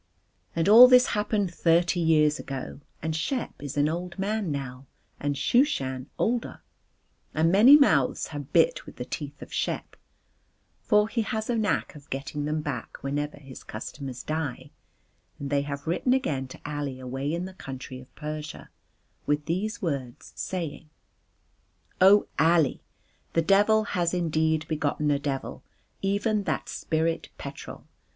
And all this happened thirty years ago, and Shep is an old man now and Shooshan older, and many mouths have bit with the teeth of Shep (for he has a knack of getting them back whenever his customers die), and they have written again to Ali away in the country of Persia with these words, saying: "O Ali. The devil has indeed begotten a devil, even that spirit Petrol.